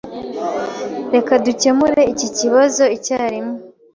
Reka dukemure iki kibazo icyarimwe.